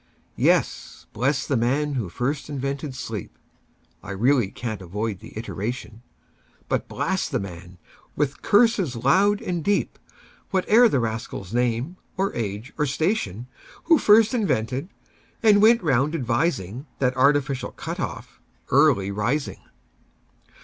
Yes; bless the man who first invented sleep(I really can't avoid the iteration),But blast the man, with curses loud and deep, Whate'er the rascal's name, or age, or station, Who first invented, and went round advising, That artificial cut off, Early Rising!